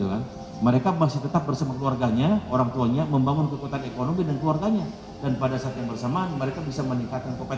ut berencana terus memanfaatkan sistem belajar online berkualitas bagi semua lapisan masyarakat